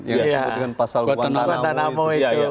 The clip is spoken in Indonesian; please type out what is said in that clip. yang disebutin pasal guantanamo itu